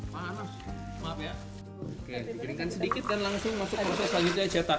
keringkan sedikit dan langsung masuk proses lagi aja cetak